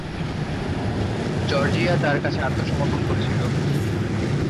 Georgia তার কাছে আত্মসমর্পণ করেছিল।